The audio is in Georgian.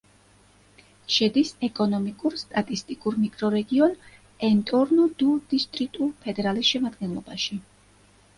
შედის ეკონომიკურ-სტატისტიკურ მიკრორეგიონ ენტორნუ-დუ-დისტრიტუ-ფედერალის შემადგენლობაში.